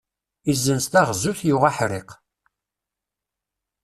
Izzenz taɣzut yuɣ aḥṛiq.